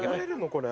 これ。